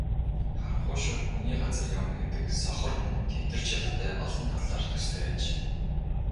Харанхуй шөнө хүний газар явна гэдэг сохор хүн тэмтэрч ядахтай олон талаар төстэй аж.